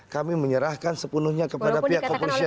kami menyerahkan sepenuhnya kepada pihak kepolisian